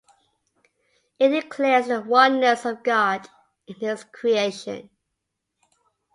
It declares the oneness of God in his creation.